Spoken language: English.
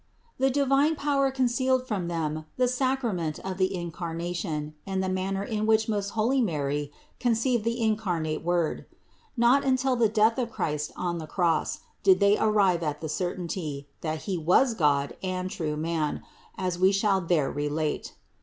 The divine Power concealed from them the sacra ment of the Incarnation and the manner in which most holy Mary conceived the incarnate Word (No. 326). Not until the death of Christ on the cross did they arrive at the certainty, that He was God and true man, as we shall there relate.